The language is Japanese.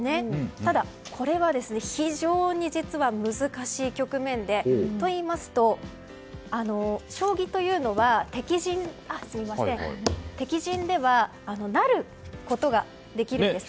ただ、これは非常に難しい局面でといいますのは将棋というのは、敵陣では成ることができるんです。